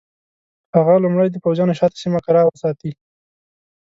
هغه لومړی د پوځیانو شاته سیمه کراره وساتي.